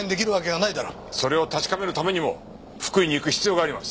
それを確かめるためにも福井に行く必要があります。